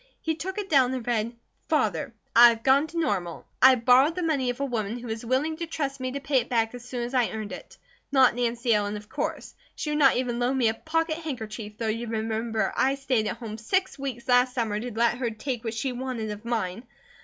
He took it down and read: FATHER: I have gone to Normal. I borrowed the money of a woman who was willing to trust me to pay it back as soon as I earned it. Not Nancy Ellen, of course. She would not even loan me a pocket handkerchief, though you remember I stayed at home six weeks last summer to let her take what she wanted of mine.